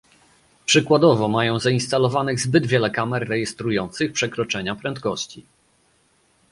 Przykładowo, mają zainstalowanych zbyt wiele kamer rejestrujących przekroczenia prędkości